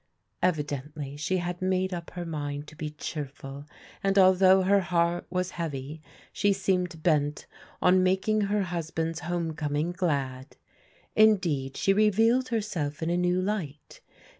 Evidently she had made up her mind to be cheerful, and although her heart was heavy, she seemed bent on making her husband's home coming glad. Indeed, she re vealed herself in a new light.